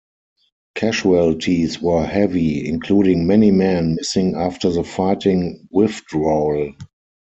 Casualties were heavy, including many men missing after the fighting withdrawal.